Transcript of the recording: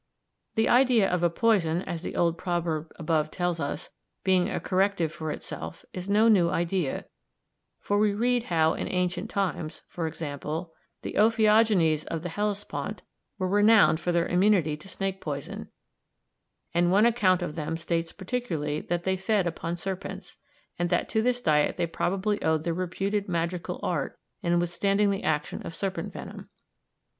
The idea of a poison, as the old proverb above tells us, being a corrective for itself is no new idea, for we read how in ancient times, for example, the Ophiogenes of the Hellespont were renowned for their immunity to snake poison, and one account of them states particularly that they fed upon serpents, and that to this diet they probably owed their reputed magical art in withstanding the action of serpent venom.